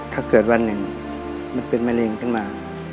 ถ้าเกิดวันหนึ่งมันเป็นมะเร็งขึ้นมา